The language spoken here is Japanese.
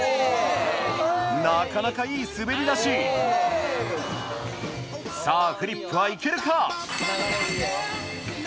なかなかいい滑り出しさぁフリップは行けるか⁉